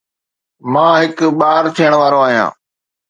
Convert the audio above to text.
مان هڪ ٻار ٿيڻ وارو آهيان